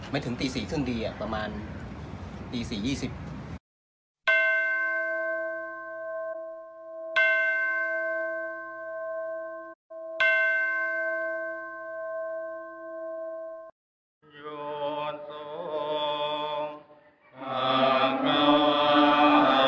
ไม่ถึงตี๔ทึ่งดีประมาณก็กลับมา